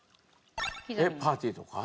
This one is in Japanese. えっパーティーとか？